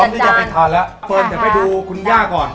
เธอจะไปทานเฟิร์นจะไปดูคุณย่าก่อน